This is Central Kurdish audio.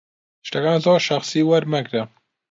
شتەکان زۆر شەخسی وەرمەگرە.